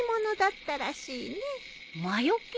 魔よけ？